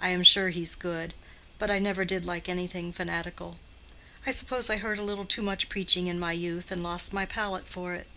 I am sure he's good. But I never did like anything fanatical. I suppose I heard a little too much preaching in my youth and lost my palate for it."